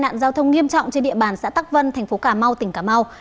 về vụ tai nạn giao thông nghiêm trọng trên địa bàn xã tắc vân thành phố cà mau tỉnh cà mau